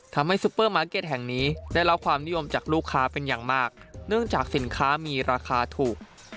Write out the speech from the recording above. ซุปเปอร์มาร์เก็ตแห่งนี้ได้รับความนิยมจากลูกค้าเป็นอย่างมากเนื่องจากสินค้ามีราคาถูก